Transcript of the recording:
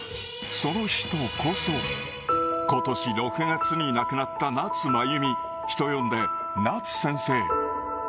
その人こそ、ことし６月に亡くなった夏まゆみ、人呼んで夏先生。